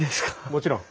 もちろん。